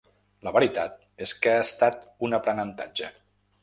La veritat és que ha estat un aprenentatge.